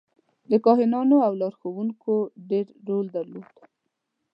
د کاهنانو او لارښوونکو ډېر رول درلود.